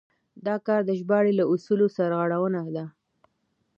دا کار د ژباړې له اصولو سرغړونه ده.